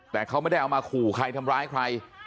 แต่เขาไม่ได้เอามาขู่ใครทำร้ายใคร